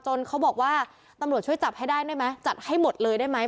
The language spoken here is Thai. เขาบอกว่าตำรวจช่วยจับให้ได้ได้ไหมจัดให้หมดเลยได้ไหม